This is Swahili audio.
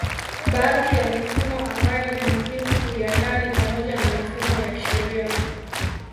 Baadhi ya mifumo ambayo ni muhimu kuiandaa ni pamoja na mifumo ya kisheria